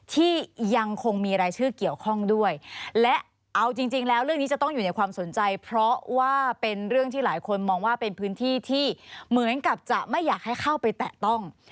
ที่ยังคงมีรายชื่อเกี่ยวข้องด้วยและเอาจริงจริงแล้วเรื่องนี้จะต้องอยู่ในความสนใจเพราะว่าเป็นเรื่องที่หลายคนมองว่าเป็นพื้นที่ที่เหมือนกับจะไม่อยากให้เข้าไปแตะต้อง